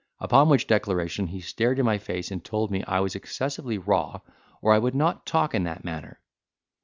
Upon which declaration, he stared in my face, and told me, I was excessively raw or I would not talk in that manner.